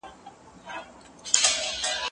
داسې ښکاري چې هلته ماتم دی.